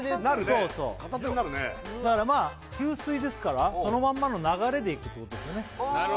そうそうだからまあ給水ですからそのまんまの流れでいくってことですよね